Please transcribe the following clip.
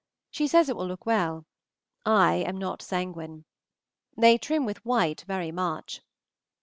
She says it will look well. I am not sanguine. They trim with white very much.